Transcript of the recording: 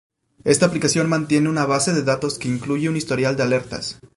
Esta aplicación mantiene una base de datos que incluye un historial de alertas.